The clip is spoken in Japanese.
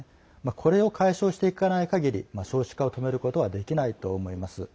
これを解消していかないかぎり少子化を止めることはできないと思います。